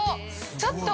ちょっと！